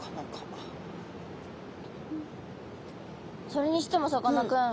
それにしてもさかなクン。